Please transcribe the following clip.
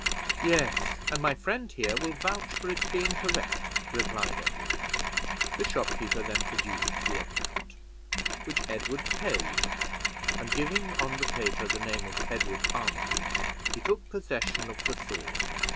"Yes; and my friend here will vouch for its being correct," replied Edward. The shopkeeper then produced the account, which Edward paid; and giving on the paper the name of Edward Armitage, he took possession of the sword.